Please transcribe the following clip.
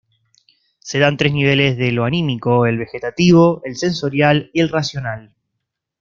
Se dan tres niveles de lo anímico: el vegetativo, el sensorial y el racional.